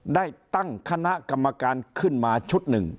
ได้ตั้งคณะกรรมการขึ้นมาชุดหนึ่ง